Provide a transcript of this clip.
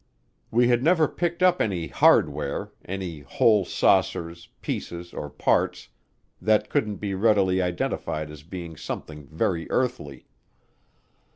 We had never picked up any "hardware" any whole saucers, pieces, or parts that couldn't be readily identified as being something very earthly.